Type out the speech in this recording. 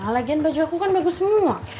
lagian baju aku kan bagus semua